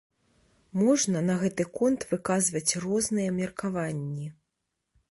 Можна на гэты конт выказваць розныя меркаванні.